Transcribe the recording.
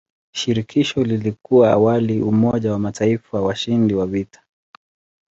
Shirikisho lilikuwa awali umoja wa mataifa washindi wa vita.